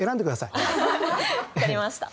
わかりました。